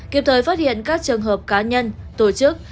kịp thời phát hiện các trường hợp cá nhân tổ chức